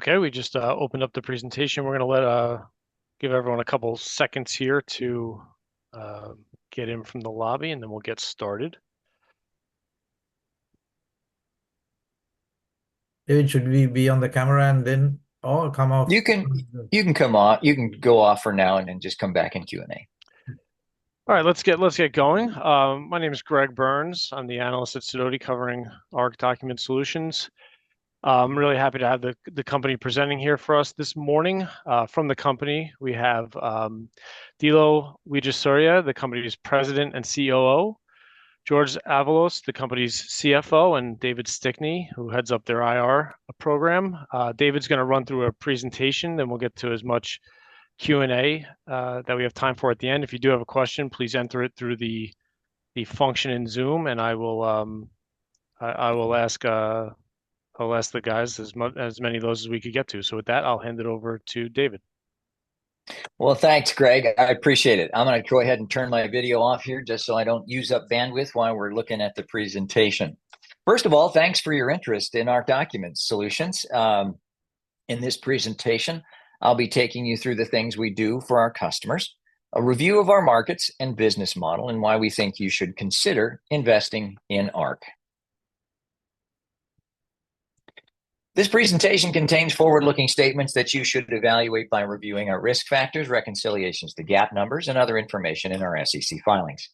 Okay, we just opened up the presentation. We're gonna let give everyone a couple seconds here to get in from the lobby, and then we'll get started. Hey, should we be on the camera, and then, or come off? You can, you can come off. You can go off for now and then just come back in Q&A. All right, let's get, let's get going. My name is Greg Burns. I'm the analyst at Sidoti covering ARC Document Solutions. I'm really happy to have the company presenting here for us this morning. From the company, we have Dilo Wijesuriya, the company's President and COO; Jorge Avalos, the company's CFO; and David Stickney, who heads up their IR program. David's gonna run through a presentation, then we'll get to as much Q&A that we have time for at the end. If you do have a question, please enter it through the function in Zoom, and I will ask the guys as many of those as we can get to. So with that, I'll hand it over to David. Well, thanks, Greg. I appreciate it. I'm gonna go ahead and turn my video off here just so I don't use up bandwidth while we're looking at the presentation. First of all, thanks for your interest in our document solutions. In this presentation, I'll be taking you through the things we do for our customers, a review of our markets and business model, and why we think you should consider investing in ARC. This presentation contains forward-looking statements that you should evaluate by reviewing our risk factors, reconciliations to GAAP numbers, and other information in our SEC filings.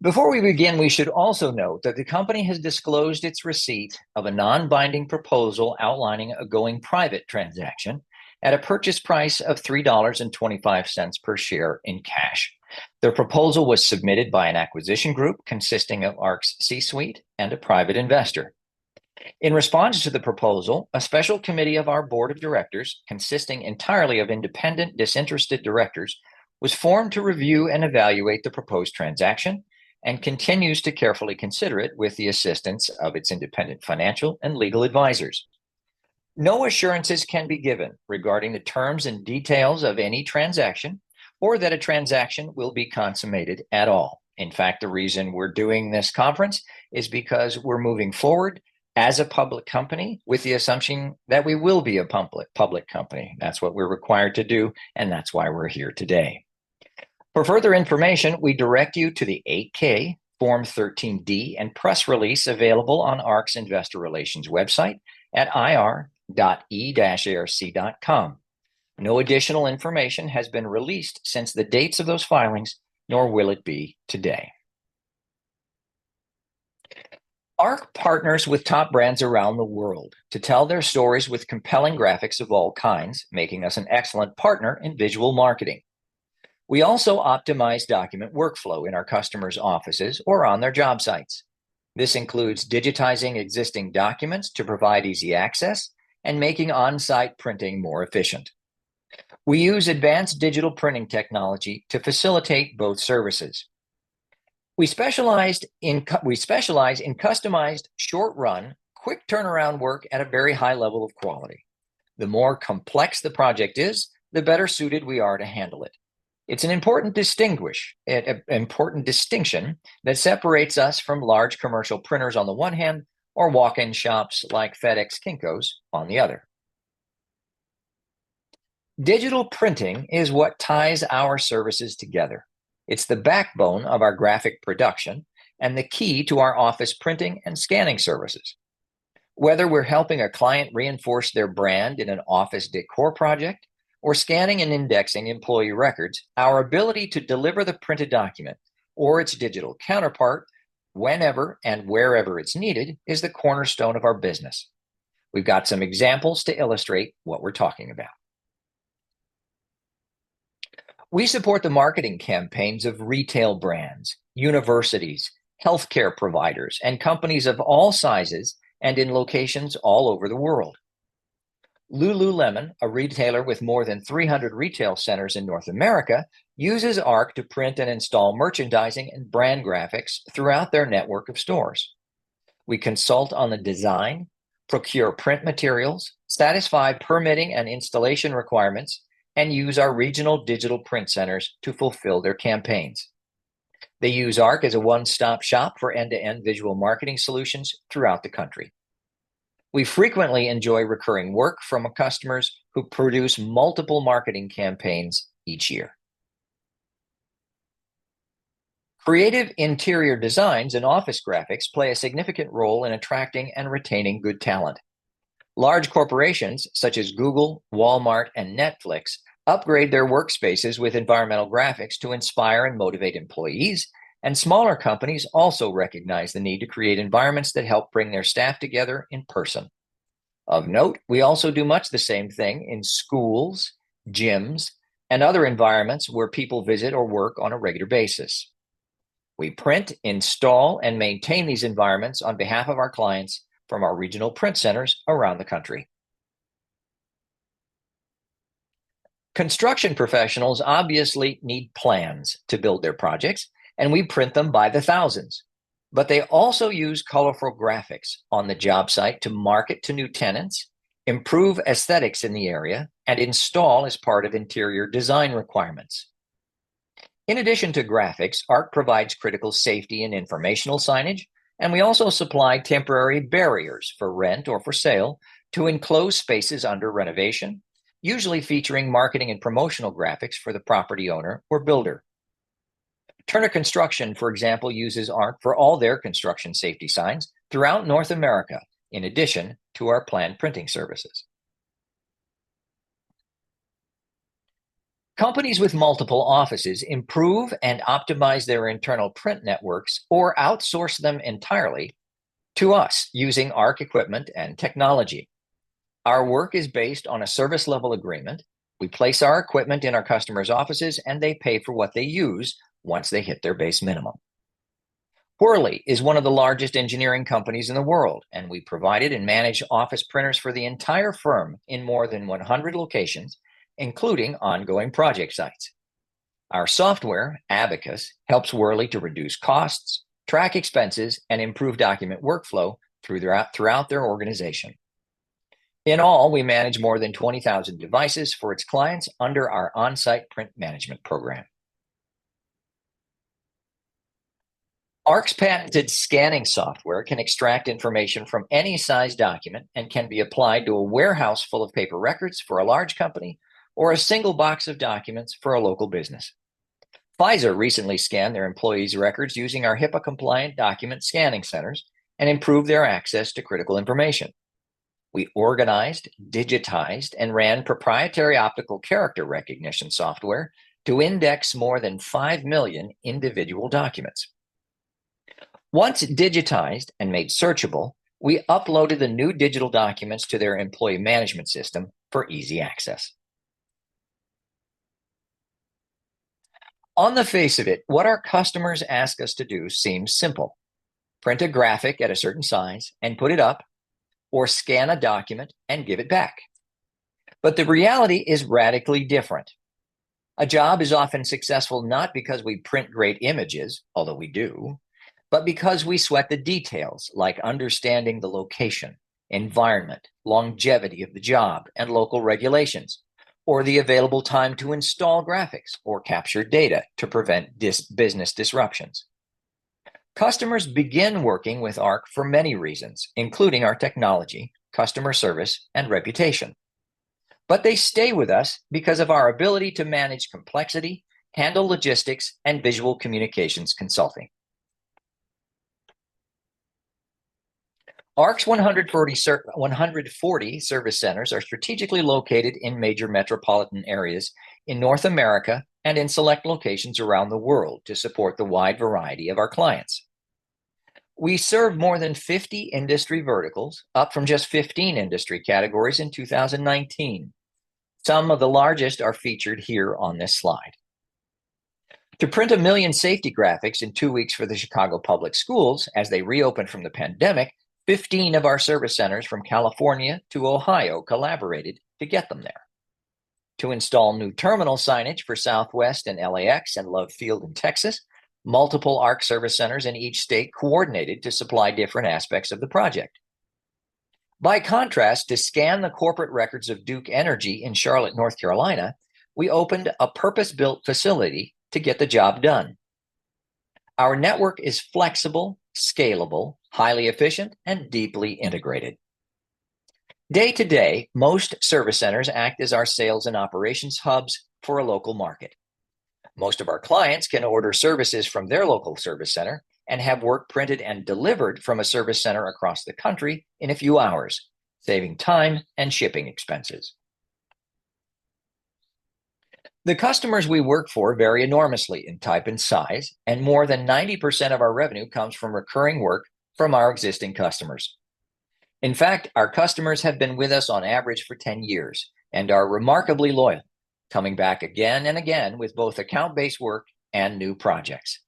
Before we begin, we should also note that the company has disclosed its receipt of a non-binding proposal outlining a going-private transaction at a purchase price of $3.25 per share in cash. The proposal was submitted by an acquisition group consisting of ARC's C-suite and a private investor. In response to the proposal, a special committee of our board of directors, consisting entirely of independent, disinterested directors, was formed to review and evaluate the proposed transaction, and continues to carefully consider it with the assistance of its independent financial and legal advisors. No assurances can be given regarding the terms and details of any transaction, or that a transaction will be consummated at all. In fact, the reason we're doing this conference is because we're moving forward as a public company with the assumption that we will be a public company. That's what we're required to do, and that's why we're here today. For further information, we direct you to the 8-K, Form 13D, and press release available on ARC's investor relations website at ir.e-arc.com. No additional information has been released since the dates of those filings, nor will it be today. ARC partners with top brands around the world to tell their stories with compelling graphics of all kinds, making us an excellent partner in visual marketing. We also optimize document workflow in our customers' offices or on their job sites. This includes digitizing existing documents to provide easy access and making on-site printing more efficient. We use advanced digital printing technology to facilitate both services. We specialize in customized, short-run, quick-turnaround work at a very high level of quality. The more complex the project is, the better suited we are to handle it. It's an important distinction that separates us from large commercial printers on the one hand, or walk-in shops like FedEx, Kinko's on the other. Digital printing is what ties our services together. It's the backbone of our graphic production and the key to our office printing and scanning services. Whether we're helping a client reinforce their brand in an office decor project or scanning and indexing employee records, our ability to deliver the printed document or its digital counterpart, whenever and wherever it's needed, is the cornerstone of our business. We've got some examples to illustrate what we're talking about. We support the marketing campaigns of retail brands, universities, healthcare providers, and companies of all sizes and in locations all over the world. Lululemon, a retailer with more than 300 retail centers in North America, uses ARC to print and install merchandising and brand graphics throughout their network of stores. We consult on the design, procure print materials, satisfy permitting and installation requirements, and use our regional digital print centers to fulfill their campaigns. They use ARC as a one-stop shop for end-to-end visual marketing solutions throughout the country. We frequently enjoy recurring work from customers who produce multiple marketing campaigns each year. Creative interior designs and office graphics play a significant role in attracting and retaining good talent. Large corporations, such as Google, Walmart, and Netflix, upgrade their workspaces with environmental graphics to inspire and motivate employees, and smaller companies also recognize the need to create environments that help bring their staff together in person. Of note, we also do much the same thing in schools, gyms, and other environments where people visit or work on a regular basis. We print, install, and maintain these environments on behalf of our clients from our regional print centers around the country. Construction professionals obviously need plans to build their projects, and we print them by the thousands. But they also use colorful graphics on the job site to market to new tenants, improve aesthetics in the area, and install as part of interior design requirements. In addition to graphics, ARC provides critical safety and informational signage, and we also supply temporary barriers for rent or for sale to enclose spaces under renovation, usually featuring marketing and promotional graphics for the property owner or builder. Turner Construction, for example, uses ARC for all their construction safety signs throughout North America, in addition to our plan printing services. Companies with multiple offices improve and optimize their internal print networks or outsource them entirely to us using ARC equipment and technology. Our work is based on a Service Level Agreement. We place our equipment in our customers' offices, and they pay for what they use once they hit their base minimum. Worley is one of the largest engineering companies in the world, and we provided and manage office printers for the entire firm in more than 100 locations, including ongoing project sites. Our software, Abacus, helps Worley to reduce costs, track expenses, and improve document workflow through their, throughout their organization. In all, we manage more than 20,000 devices for its clients under our on-site print management program. ARC's patented scanning software can extract information from any size document and can be applied to a warehouse full of paper records for a large company or a single box of documents for a local business. Pfizer recently scanned their employees' records using our HIPAA-compliant document scanning centers and improved their access to critical information. We organized, digitized, and ran proprietary optical character recognition software to index more than 5 million individual documents. Once digitized and made searchable, we uploaded the new digital documents to their employee management system for easy access. On the face of it, what our customers ask us to do seems simple: print a graphic at a certain size and put it up, or scan a document and give it back. But the reality is radically different. A job is often successful not because we print great images, although we do, but because we sweat the details, like understanding the location, environment, longevity of the job, and local regulations, or the available time to install graphics or capture data to prevent business disruptions. Customers begin working with ARC for many reasons, including our technology, customer service, and reputation, but they stay with us because of our ability to manage complexity, handle logistics, and visual communications consulting. ARC's 140 service centers are strategically located in major metropolitan areas in North America and in select locations around the world to support the wide variety of our clients. We serve more than 50 industry verticals, up from just 15 industry categories in 2019. Some of the largest are featured here on this slide. To print 1 million safety graphics in two weeks for the Chicago Public Schools as they reopened from the pandemic, 15 of our service centers, from California to Ohio, collaborated to get them there. To install new terminal signage for Southwest in LAX and Love Field in Texas, multiple ARC service centers in each state coordinated to supply different aspects of the project. By contrast, to scan the corporate records of Duke Energy in Charlotte, North Carolina, we opened a purpose-built facility to get the job done. Our network is flexible, scalable, highly efficient, and deeply integrated. Day to day, most service centers act as our sales and operations hubs for a local market. Most of our clients can order services from their local service center and have work printed and delivered from a service center across the country in a few hours, saving time and shipping expenses. The customers we work for vary enormously in type and size, and more than 90% of our revenue comes from recurring work from our existing customers. In fact, our customers have been with us on average for 10 years and are remarkably loyal, coming back again and again with both account-based work and new projects.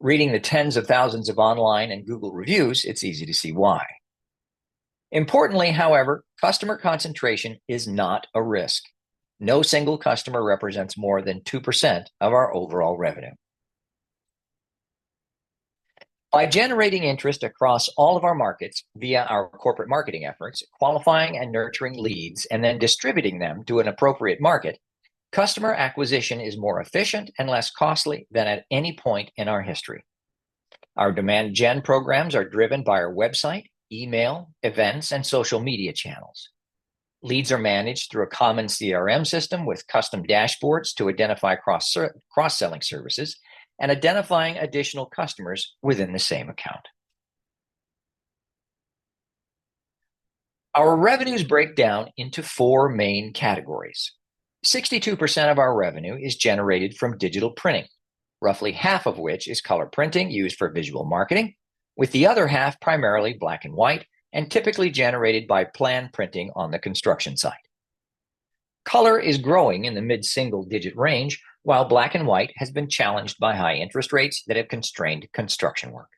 Reading the tens of thousands of online and Google reviews, it's easy to see why. Importantly, however, customer concentration is not a risk. No single customer represents more than 2% of our overall revenue. By generating interest across all of our markets via our corporate marketing efforts, qualifying and nurturing leads, and then distributing them to an appropriate market, customer acquisition is more efficient and less costly than at any point in our history. Our demand gen programs are driven by our website, email, events, and social media channels. Leads are managed through a common CRM system with custom dashboards to identify cross-selling services and identifying additional customers within the same account. Our revenues break down into four main categories. 62% of our revenue is generated from digital printing, roughly 1/2 of which is color printing used for visual marketing, with the other 1/2 primarily black and white and typically generated by plan printing on the construction site. Color is growing in the mid-single-digit range, while black and white has been challenged by high interest rates that have constrained construction work,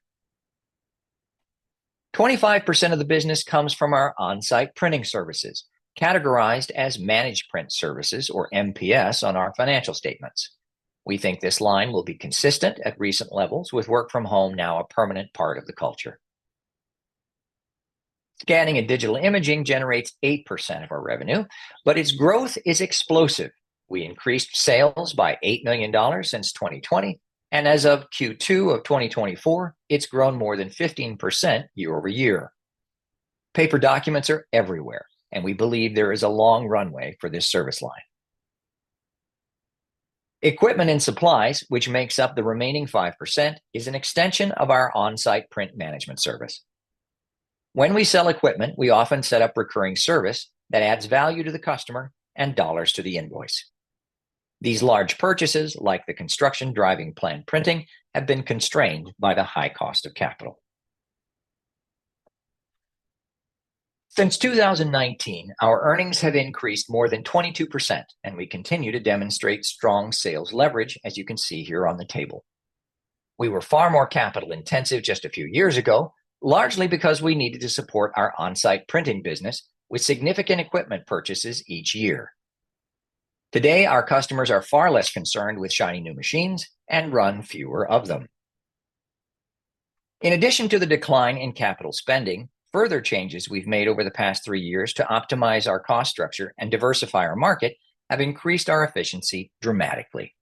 25% of the business comes from our on-site printing services, categorized as Managed Print Services, or MPS, on our financial statements. We think this line will be consistent at recent levels, with work from home now a permanent part of the culture. Scanning and digital imaging generates 8% of our revenue, but its growth is explosive. We increased sales by $8 million since 2020, and as of Q2 of 2024, it's grown more than 15% year-over-year. Paper documents are everywhere, and we believe there is a long runway for this service line. Equipment and supplies, which makes up the remaining 5%, is an extension of our on-site print management service. When we sell equipment, we often set up recurring service that adds value to the customer and dollars to the invoice. These large purchases, like the construction driving plan printing, have been constrained by the high cost of capital. Since 2019, our earnings have increased more than 22%, and we continue to demonstrate strong sales leverage, as you can see here on the table. We were far more capital-intensive just a few years ago, largely because we needed to support our on-site printing business with significant equipment purchases each year. Today, our customers are far less concerned with shiny new machines and run fewer of them. In addition to the decline in capital spending, further changes we've made over the past three years to optimize our cost structure and diversify our market have increased our efficiency dramatically.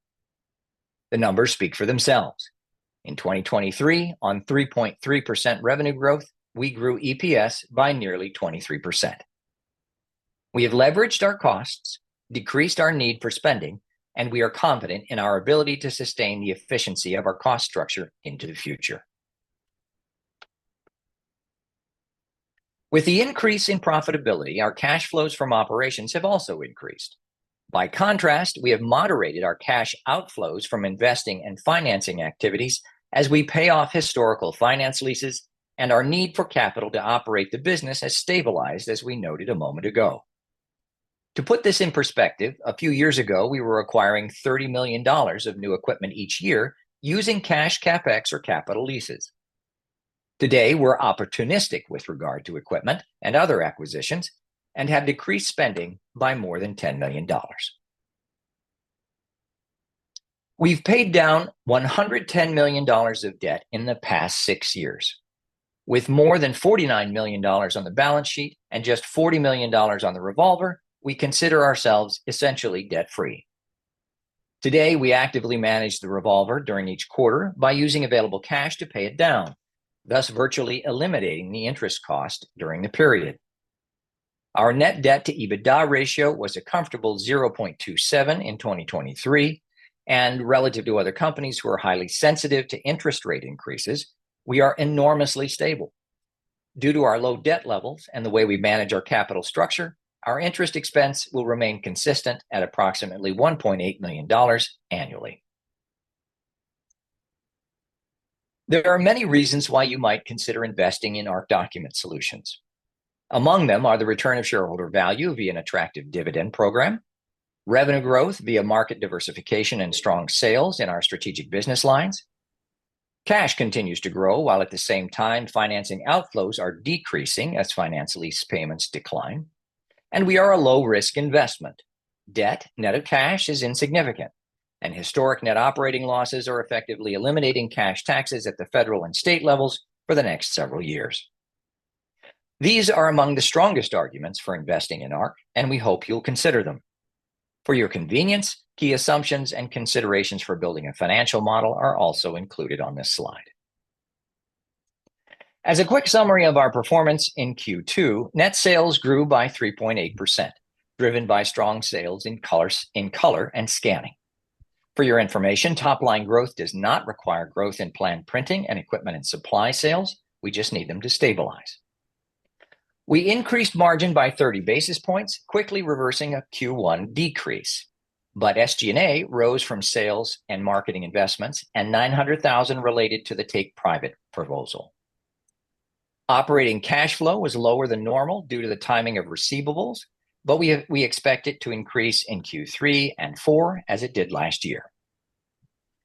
The numbers speak for themselves. In 2023, on 3.3% revenue growth, we grew EPS by nearly 23%. We have leveraged our costs, decreased our need for spending, and we are confident in our ability to sustain the efficiency of our cost structure into the future. With the increase in profitability, our cash flows from operations have also increased. By contrast, we have moderated our cash outflows from investing and financing activities as we pay off historical finance leases, and our need for capital to operate the business has stabilized, as we noted a moment ago. To put this in perspective, a few years ago, we were acquiring $30 million of new equipment each year using cash CapEx or capital leases. Today, we're opportunistic with regard to equipment and other acquisitions and have decreased spending by more than $10 million. We've paid down $110 million of debt in the past six years. With more than $49 million on the balance sheet and just $40 million on the revolver, we consider ourselves essentially debt-free. Today, we actively manage the revolver during each quarter by using available cash to pay it down, thus virtually eliminating the interest cost during the period. Our net debt-to-EBITDA ratio was a comfortable 0.27 in 2023, and relative to other companies who are highly sensitive to interest rate increases, we are enormously stable. Due to our low debt levels and the way we manage our capital structure, our interest expense will remain consistent at approximately $1.8 million annually. There are many reasons why you might consider investing in ARC Document Solutions. Among them are the return of shareholder value via an attractive dividend program. Revenue growth via market diversification and strong sales in our strategic business lines. Cash continues to grow, while at the same time, financing outflows are decreasing as finance lease payments decline. We are a low-risk investment. Debt net of cash is insignificant, and historic net operating losses are effectively eliminating cash taxes at the federal and state levels for the next several years. These are among the strongest arguments for investing in ARC, and we hope you'll consider them. For your convenience, key assumptions and considerations for building a financial model are also included on this slide. As a quick summary of our performance in Q2, net sales grew by 3.8%, driven by strong sales in color and scanning. For your information, top-line growth does not require growth in planned printing and equipment and supply sales. We just need them to stabilize. We increased margin by 30 basis points, quickly reversing a Q1 decrease, but SG&A rose from sales and marketing investments and $900,000 related to the take-private proposal. Operating cash flow was lower than normal due to the timing of receivables, but we expect it to increase in Q3 and Q4, as it did last year.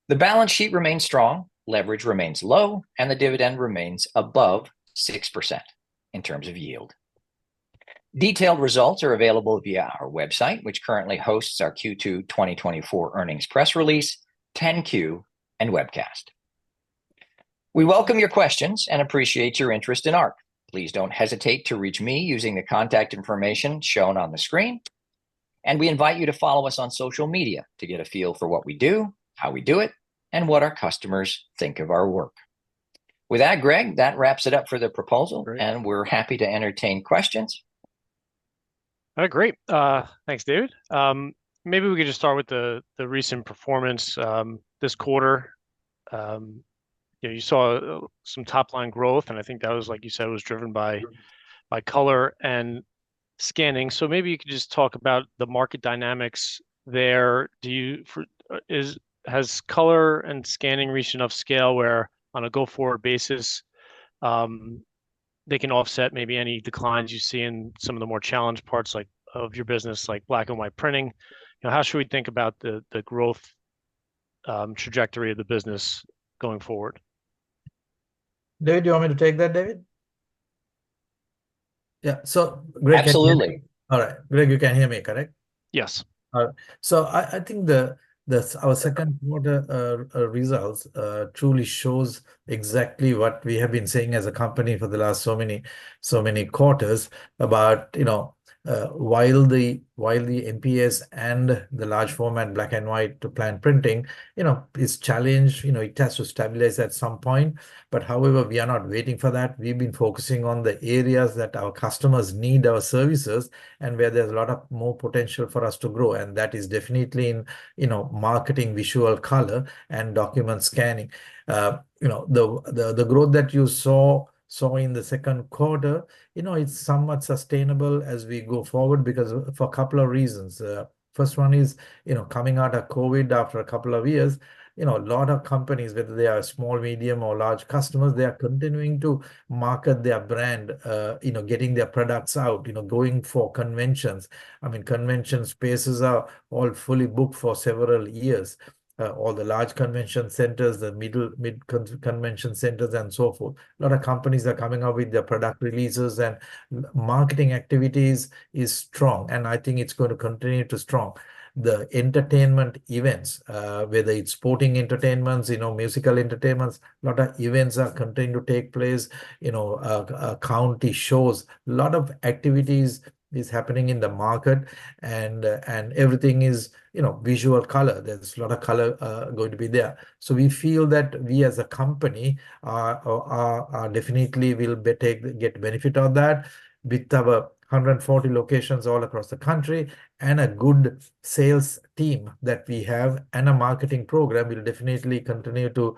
The balance sheet remains strong, leverage remains low, and the dividend remains above 6% in terms of yield. Detailed results are available via our website, which currently hosts our Q2 2024 earnings press release, 10-Q, and webcast. We welcome your questions and appreciate your interest in ARC. Please don't hesitate to reach me using the contact information shown on the screen, and we invite you to follow us on social media to get a feel for what we do, how we do it, and what our customers think of our work. With that, Greg, that wraps it up for the proposal. Great. We're happy to entertain questions. Great. Thanks, David. Maybe we could just start with the recent performance this quarter. You know, you saw some top-line growth, and I think that was, like you said, it was driven by color and scanning. So maybe you could just talk about the market dynamics there. Has color and scanning reached enough scale where, on a go-forward basis, they can offset maybe any declines you see in some of the more challenged parts, like, of your business, like black-and-white printing? You know, how should we think about the growth trajectory of the business going forward? David, do you want me to take that, David? Yeah, so Greg, can you hear me? Absolutely. All right. Greg, you can hear me, correct? Yes. So I think our second quarter results truly shows exactly what we have been saying as a company for the last so many, so many quarters about, you know, while the MPS and the large format black and white to plan printing, you know, is challenged, you know, it has to stabilize at some point. But however, we are not waiting for that. We've been focusing on the areas that our customers need our services, and where there's a lot of more potential for us to grow, and that is definitely in, you know, marketing, visual color, and document scanning. You know, the growth that you saw in the second quarter, you know, it's somewhat sustainable as we go forward because for a couple of reasons. First one is, you know, coming out of COVID after a couple of years, you know, a lot of companies, whether they are small, medium, or large customers, they are continuing to market their brand, you know, getting their products out, you know, going for conventions. I mean, convention spaces are all fully booked for several years. All the large convention centers, the mid convention centers, and so forth. A lot of companies are coming out with their product releases, and marketing activities is strong, and I think it's going to continue to strong. The entertainment events, whether it's sporting entertainments, you know, musical entertainments, a lot of events are continuing to take place. You know, county shows. A lot of activities is happening in the market, and, and everything is, you know, visual color. There's a lot of color going to be there. So we feel that we as a company are definitely will be get benefit out of that with our 140 locations all across the country, and a good sales team that we have, and a marketing program will definitely continue to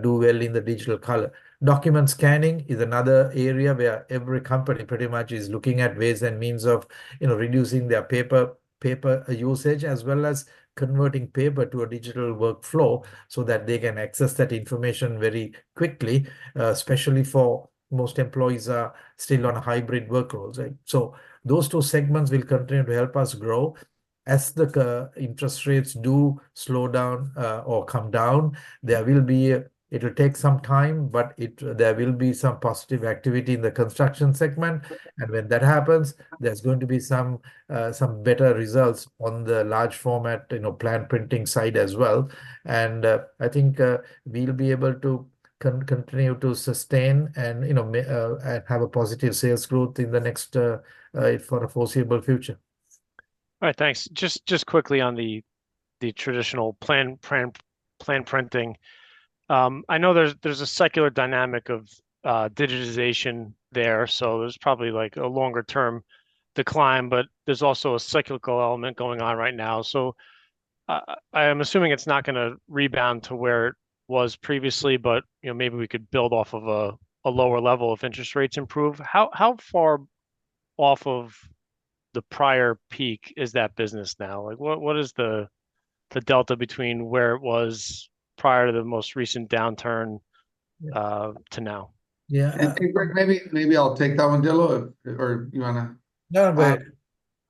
do well in the digital color. Document scanning is another area where every company pretty much is looking at ways and means of, you know, reducing their paper, paper usage, as well as converting paper to a digital workflow so that they can access that information very quickly, especially for most employees are still on hybrid workloads, right? So those two segments will continue to help us grow. As the interest rates do slow down or come down, there will be a- it'll take some time, but there will be some positive activity in the construction segment. And when that happens, there's going to be some better results on the large format, you know, plan printing side as well. And I think we'll be able to continue to sustain and, you know, may and have a positive sales growth in the next for the foreseeable future. All right, thanks. Just quickly on the traditional plan printing. I know there's a secular dynamic of digitization there, so there's probably, like, a longer term decline, but there's also a cyclical element going on right now. So, I am assuming it's not gonna rebound to where it was previously, but, you know, maybe we could build off of a lower level if interest rates improve. How far off of the prior peak is that business now? Like, what is the delta between where it was prior to the most recent downturn to now? Yeah, and- Maybe, maybe I'll take that one, Dilo, or you wanna- No, go ahead.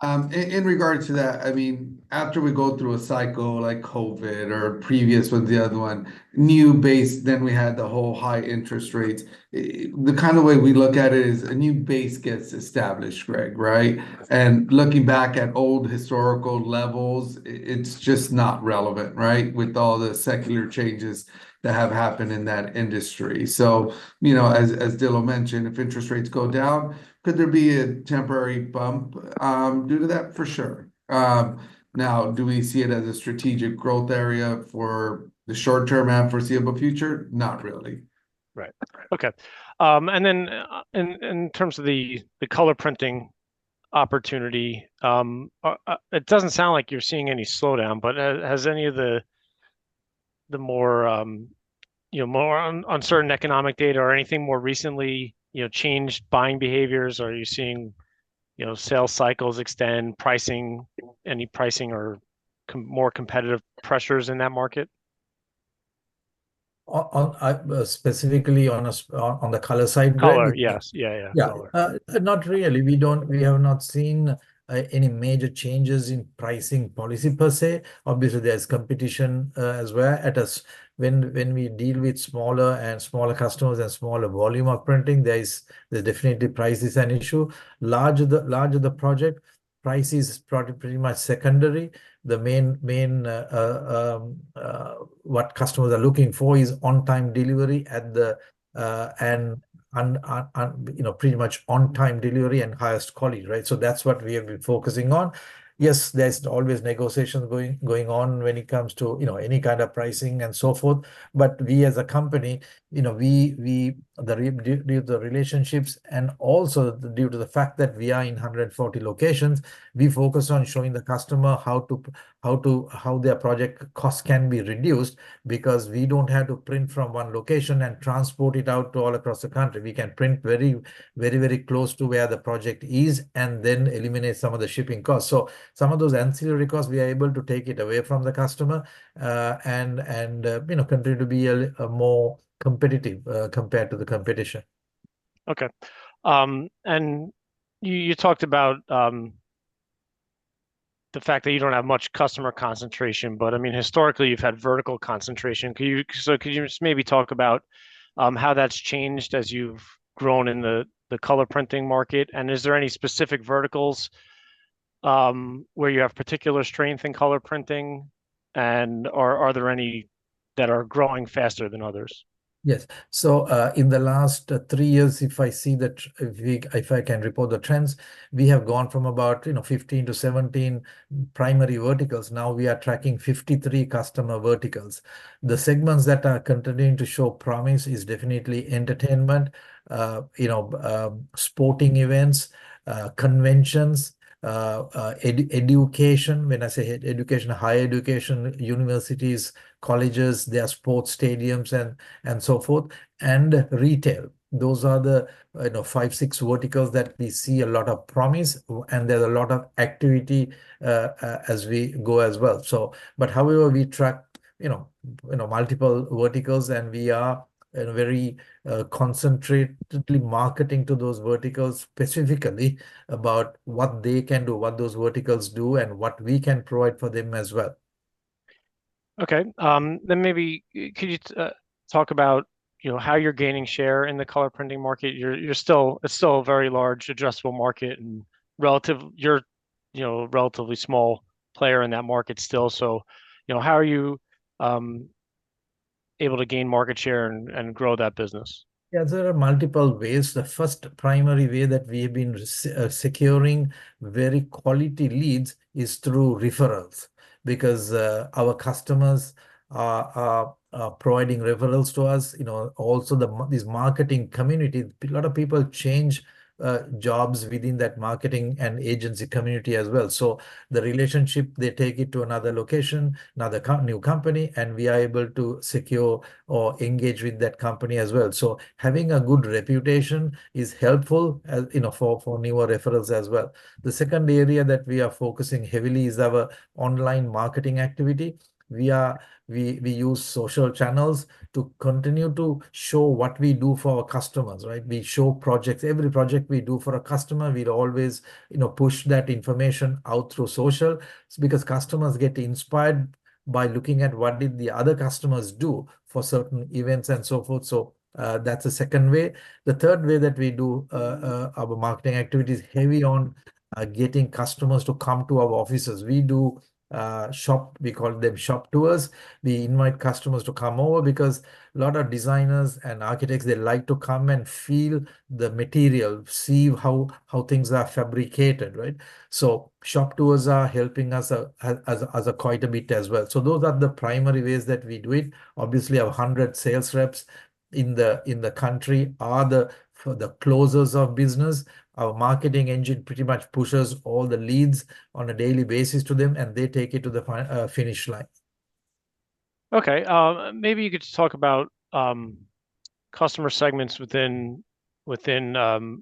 In regards to that, I mean, after we go through a cycle like COVID or previous, with the other one, new base, then we had the whole high interest rates, the kind of way we look at it is a new base gets established, Greg, right? And looking back at old historical levels, it, it's just not relevant, right, with all the secular changes that have happened in that industry. So, you know, as Dilo mentioned, if interest rates go down, could there be a temporary bump, due to that? For sure. Now, do we see it as a strategic growth area for the short term and foreseeable future? Not really. Right. Okay, and then, in terms of the color printing opportunity, it doesn't sound like you're seeing any slowdown, but has any of the more, you know, more uncertain economic data or anything more recently, you know, changed buying behaviors? Are you seeing, you know, sales cycles extend pricing, any pricing or more competitive pressures in that market? On specifically on the color side, Greg? Color, yes. Yeah. Yeah. Not really. We have not seen any major changes in pricing policy, per se. Obviously, there's competition as well. When we deal with smaller and smaller customers and smaller volume of printing, there's definitely price is an issue. The larger the project, price is pretty much secondary. The main what customers are looking for is on-time delivery and, you know, pretty much on-time delivery and highest quality, right? So that's what we have been focusing on. Yes, there's always negotiations going on when it comes to, you know, any kind of pricing and so forth, but we as a company, you know, we due to the relationships and also due to the fact that we are in 140 locations, we focus on showing the customer how their project costs can be reduced because we don't have to print from one location and transport it out to all across the country. We can print very, very, very close to where the project is, and then eliminate some of the shipping costs. So some of those ancillary costs, we are able to take it away from the customer, and you know, continue to be a more competitive compared to the competition. Okay. And you talked about the fact that you don't have much customer concentration, but I mean, historically you've had vertical concentration. So could you just maybe talk about how that's changed as you've grown in the color printing market? And is there any specific verticals where you have particular strength in color printing, and are there any that are growing faster than others? Yes. So, in the last 3 years, if I see that, if I can report the trends, we have gone from about, you know, 15 to 17 primary verticals. Now, we are tracking 53 customer verticals. The segments that are continuing to show promise is definitely entertainment, you know, sporting events, conventions, education. When I say education, higher education, universities, colleges, their sports stadiums, and so forth, and retail. Those are the, you know, 5, 6 verticals that we see a lot of promise, and there's a lot of activity, as we go as well. We track, you know, you know, multiple verticals, and we are in a very concentratedly marketing to those verticals, specifically about what they can do, what those verticals do, and what we can provide for them as well. Okay, then maybe could you talk about, you know, how you're gaining share in the color printing market? You're, you're still... It's still a very large addressable market, and relative-- you're, you know, a relatively small player in that market still. So, you know, how are you able to gain market share and, and grow that business? Yeah, there are multiple ways. The first primary way that we have been securing very quality leads is through referrals because our customers are providing referrals to us. You know, also, this marketing community, a lot of people change jobs within that marketing and agency community as well. So the relationship, they take it to another location, another new company, and we are able to secure or engage with that company as well. So having a good reputation is helpful, you know, for newer referrals as well. The second area that we are focusing heavily is our online marketing activity. We use social channels to continue to show what we do for our customers, right? We show projects. Every project we do for a customer, we'd always, you know, push that information out through social because customers get inspired by looking at what did the other customers do for certain events and so forth. So, that's the second way. The third way that we do our marketing activity is heavy on getting customers to come to our offices. We do shop tours, we call them shop tours. We invite customers to come over because a lot of designers and architects, they like to come and feel the material, see how things are fabricated, right? So shop tours are helping us quite a bit as well. So those are the primary ways that we do it. Obviously, our 100 sales reps in the country are the closers of business. Our marketing engine pretty much pushes all the leads on a daily basis to them, and they take it to the finish line. Okay, maybe you could just talk about customer segments within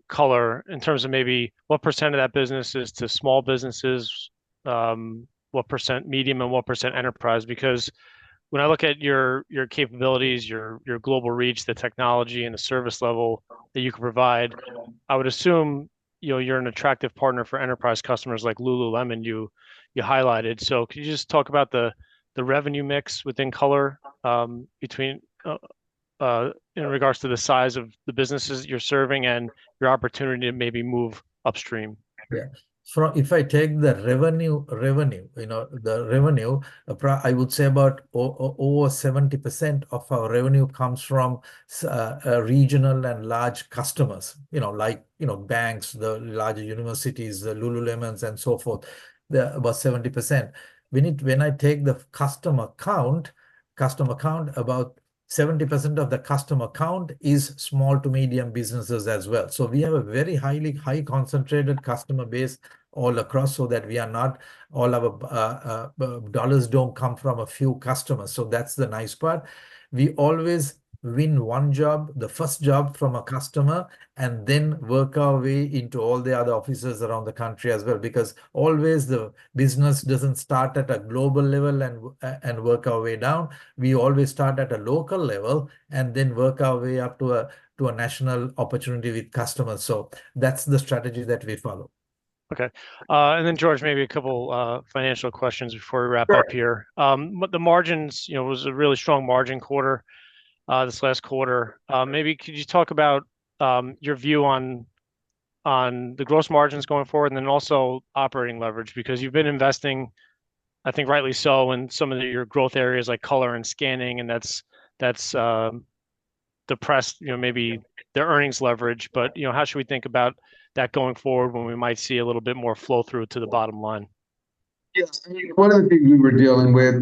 color, in terms of maybe what percentage of that business is to small businesses, what percent medium, and what percent enterprise. Because when I look at your capabilities, your global reach, the technology, and the service level that you can provide, I would assume, you know, you're an attractive partner for enterprise customers like Lululemon, you highlighted. So could you just talk about the revenue mix within color, between in regards to the size of the businesses you're serving and your opportunity to maybe move upstream? Yeah. So if I take the revenue, you know, the revenue—I would say about over 70% of our revenue comes from regional and large customers, you know, like banks, the larger universities, the Lululemons, and so forth. They're about 70%. When I take the customer count, about 70% of the customer count is small to medium businesses as well. So we have a very highly high concentrated customer base all across, so that we are not, all of our dollars don't come from a few customers. So that's the nice part. We always win one job, the first job from a customer, and then work our way into all the other offices around the country as well, because always the business doesn't start at a global level and work our way down. We always start at a local level and then work our way up to a national opportunity with customers. So that's the strategy that we follow. Okay, and then, Jorge, maybe a couple financial questions before we wrap up here. Sure. But the margins, you know, it was a really strong margin quarter, this last quarter. Maybe could you talk about your view on the gross margins going forward and then also operating leverage? Because you've been investing, I think rightly so, in some of your growth areas like color and scanning, and that's depressed, you know, maybe the earnings leverage. But, you know, how should we think about that going forward when we might see a little bit more flow through to the bottom line? Yes. One of the things we were dealing with,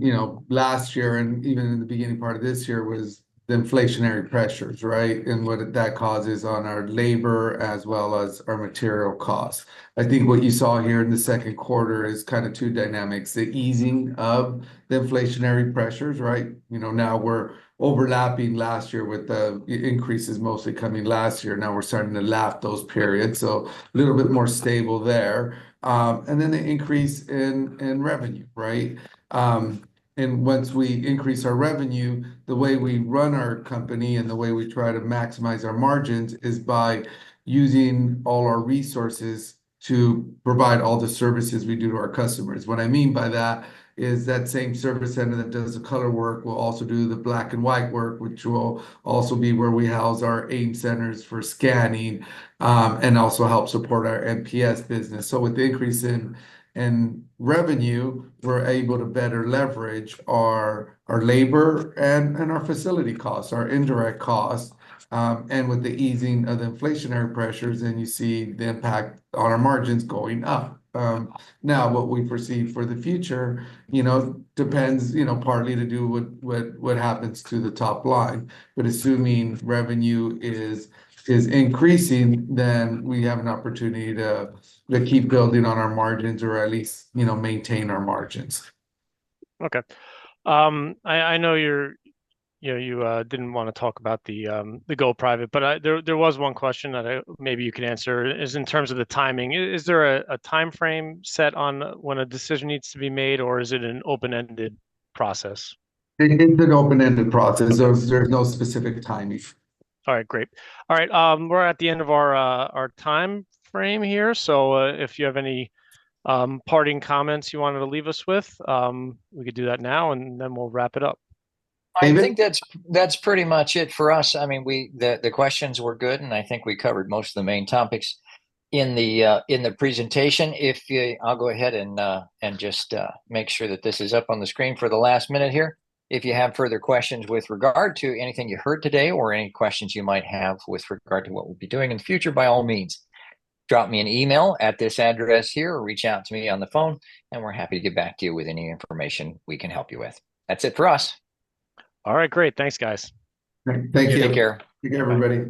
you know, last year and even in the beginning part of this year, was the inflationary pressures, right? And what that causes on our labor as well as our material costs. I think what you saw here in the second quarter is kind of two dynamics: the easing of the inflationary pressures, right? You know, now we're overlapping last year with the increases mostly coming last year. Now we're starting to lap those periods, so a little bit more stable there. And then the increase in revenue, right? And once we increase our revenue, the way we run our company and the way we try to maximize our margins is by using all our resources to provide all the services we do to our customers. What I mean by that is, that same service center that does the color work will also do the black-and-white work, which will also be where we house our AIM centers for scanning, and also help support our MPS business. So with the increase in revenue, we're able to better leverage our labor and our facility costs, our indirect costs. And with the easing of the inflationary pressures, then you see the impact on our margins going up. Now, what we foresee for the future, you know, depends, you know, partly to do with what happens to the top line. But assuming revenue is increasing, then we have an opportunity to keep building on our margins or at least, you know, maintain our margins. Okay. I know you're, you know, you didn't wanna talk about the go private, but I- there was one question that maybe you could answer, is in terms of the timing. Is there a timeframe set on when a decision needs to be made, or is it an open-ended process? It is an open-ended process. There's no specific timing. All right, great. All right, we're at the end of our timeframe here, so, if you have any parting comments you wanted to leave us with, we could do that now, and then we'll wrap it up. I think that's pretty much it for us. I mean, we, the questions were good, and I think we covered most of the main topics in the presentation. If you- I'll go ahead and just make sure that this is up on the screen for the last minute here. If you have further questions with regard to anything you heard today or any questions you might have with regard to what we'll be doing in the future, by all means, drop me an email at this address here or reach out to me on the phone, and we're happy to get back to you with any information we can help you with. That's it for us. All right, great. Thanks, guys. Thank you. Take care. Take care, everybody.